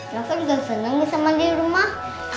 maka gak seneng bisa mandi di rumah